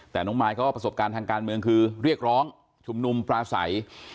แต่น้องมายเขาก็ประสบการณ์ทางการเมืองคือเรียกร้องชุมนุมปลาใส